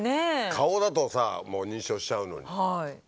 顔だとさもう認証しちゃうのに。